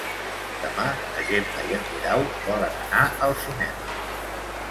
Demà na Gemma i en Guerau volen anar al cinema.